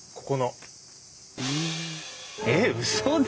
えっうそだ。